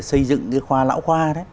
xây dựng cái khoa lão khoa